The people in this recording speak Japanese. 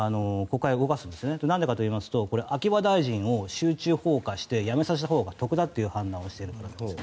なんでかといいますと秋葉大臣を集中砲火して辞めさせたほうが得だという判断をしているからです。